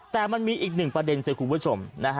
แต่มันมีอีกหนึ่งประเด็นสิคุณผู้ชม